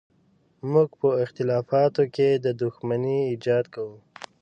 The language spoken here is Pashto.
موږ په اختلافاتو کې د دښمنۍ ایجاد کوو.